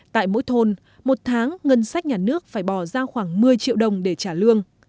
tại mỗi thôn một tháng ngân sách nhà nước phải bỏ ra khoảng một mươi triệu đồng để trả lương